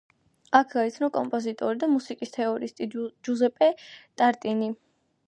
აქ გაიცნო კომპოზიტორი და მუსიკის თეორისტი ჯუზეპე ტარტინი.